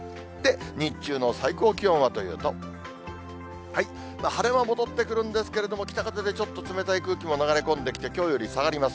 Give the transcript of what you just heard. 日中の最高気温はというと、晴れ間戻ってくるんですけれども、北風でちょっと冷たい空気も流れ込んできて、きょうより下がります。